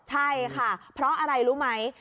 ใช่ค่ะเพราะอะไรรู้ไหม